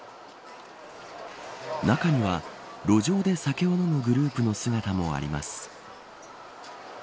中には路上で酒を飲むグループの姿もあります。